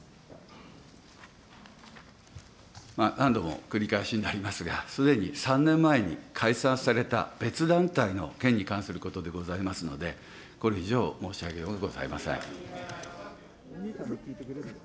何度も繰り返しになりますが、すでに３年前に解散された別団体の件に関することでございますので、これ以上申し上げようがございません。